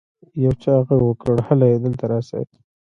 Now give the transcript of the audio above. يو چا ږغ وکړ هلئ دلته راسئ.